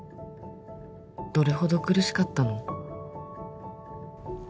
「どれほど苦しかったの」